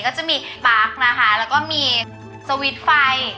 ก็จะมีบาร์กนะคะแล้วก็มีสวิตช์ไฟ